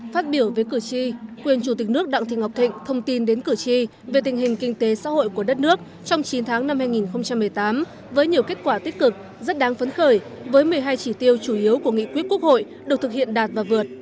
phát biểu với cử tri quyền chủ tịch nước đặng thị ngọc thịnh thông tin đến cử tri về tình hình kinh tế xã hội của đất nước trong chín tháng năm hai nghìn một mươi tám với nhiều kết quả tích cực rất đáng phấn khởi với một mươi hai chỉ tiêu chủ yếu của nghị quyết quốc hội được thực hiện đạt và vượt